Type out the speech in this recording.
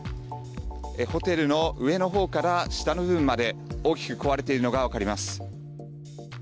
ホテルの上の方から下の部分まで大きく壊れているのが分かります。